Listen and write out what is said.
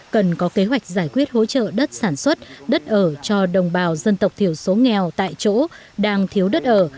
cần có kế hoạch giải quyết hỗ trợ đất sản xuất đất ở cho đồng bào dân tộc thiểu số nghèo tại chỗ đang thiếu đất ở